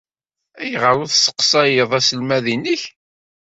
Ayɣer ur tesseqsayeḍ aselmad-nnek?